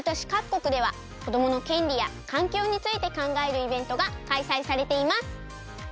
こくではこどものけんりやかんきょうについてかんがえるイベントがかいさいされています。